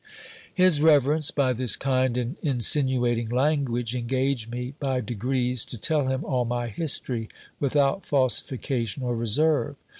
His reverence, by this kind and insinuating language, engaged me by degrees to tell him all' my history, without falsification or reserve.